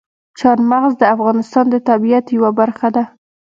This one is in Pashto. چار مغز د افغانستان د طبیعت یوه برخه ده.